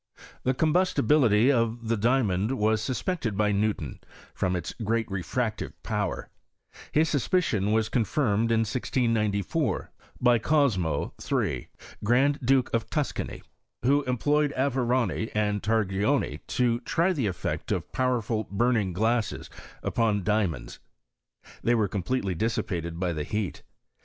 The combustibility of the diamond was suspected by I^ewton, from its great refractive power. His sus 86 HISTORY OF CHEHISTET. picion was confinned in 1694, by Cosmo III., Grand Duke of Tuscany, who employed ATerani and Tar gioni to try the effect of powerful buming giasses upon diamonds. They were completely dissipated by the heat.